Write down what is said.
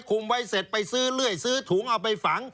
คุมไว้เสร็จไปซื้อเรื่อยซื้อถุงเอาไปฝัง